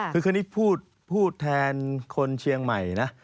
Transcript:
คือคราวนี้พูดแทนคนเชียงใหม่นะ